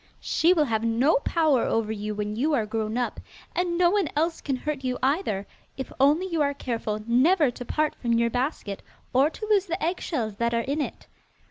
She will have no power over you when you are grown up, and no one else can hurt you either, if only you are careful never to part from your basket, or to lose the eggshells that are in it.